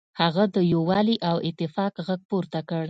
هغه د یووالي او اتفاق غږ پورته کړ.